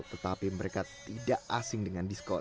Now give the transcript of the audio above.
tetapi mereka tidak asing dengan diskon